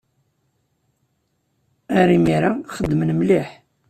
Ar imir-a, xedmen mliḥ.